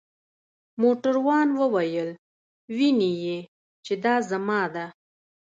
موټروان وویل: وینې يې؟ چې دا زما ده.